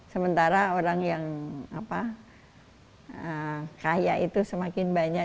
sementara orang yang kaya itu semakin banyak